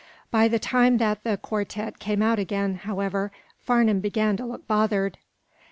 By the time that the quartette came out again, however, Farnum began to look bothered.